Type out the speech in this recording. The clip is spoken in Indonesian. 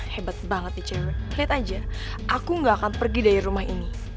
hebat banget nih cewek lihat aja aku gak akan pergi dari rumah ini